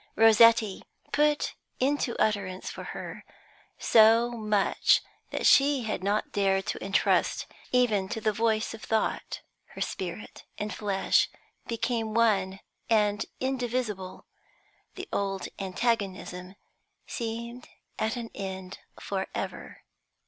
Rossetti put into utterance for her so much that she had not dared to entrust even to the voice of thought. Her spirit and flesh became one and indivisible; the old antagonism seemed at an end for ever.